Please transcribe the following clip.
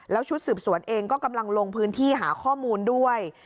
แล้วชุดสืบสวนเองก็กำลังลงพื้นที่หาข้อมูลด้วย